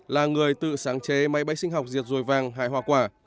là người tự sáng chế máy bay sinh học diệt dồi vàng hại hòa quả